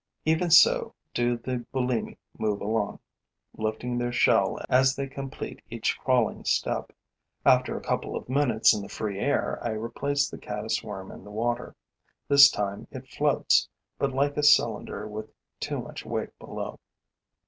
Even so do the Bulimi move along, lifting their shell as they complete each crawling step. After a couple of minutes in the free air, I replace the caddis worm in the water. This time, it floats, but like a cylinder with too much weight below.